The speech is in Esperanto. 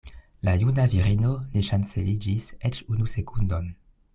La juna virino ne ŝanceliĝis eĉ unu sekundon.